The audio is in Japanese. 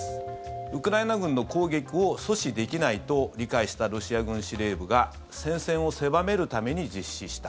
ウクライナ軍の攻撃を阻止できないと理解したロシア軍司令部が戦線を狭めるために実施した。